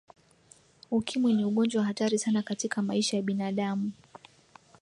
ukimwi ni ugonjwa hatari sana katika maisha ya binadamu